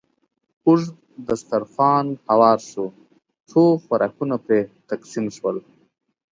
اوږد دسترخوان هوار شو، څو خوراکونه پرې تقسیم شول.